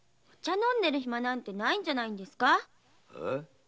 飲んでる暇なんてないんじゃないですか？